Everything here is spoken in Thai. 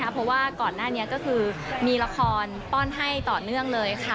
เพราะว่าก่อนหน้านี้ก็คือมีละครป้อนให้ต่อเนื่องเลยค่ะ